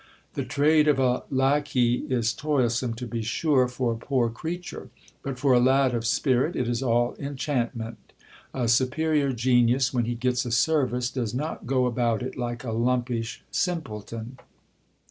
The trade of a lacquey is toilsome, to be sure, for a poor creature ; but for a lad of spirit it is all enchantment. A superior genius, when he gets a service, does not go about it like a lumpish simpleton.